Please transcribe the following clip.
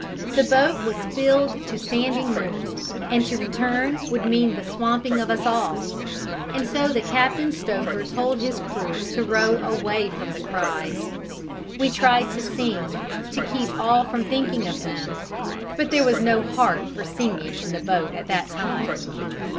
The boat was filled to standing room, and to return would mean the swamping of us all, and so the captain stoker told his crew to row away from the cries. We tried to sing to keep all from thinking of them; but there was no heart for singing in the boat at that time.